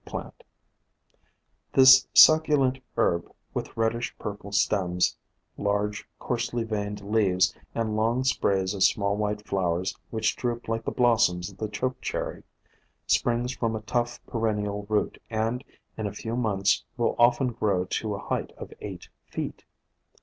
ISO POISONOUS PLANTS This succulent herb, with reddish purple stems, large coarsely veined leaves and long sprays of small white flowers which droop like the blossoms of the Choke Cherry, springs from a tough, perennial root and in a few months will often grow to a height of eight feet.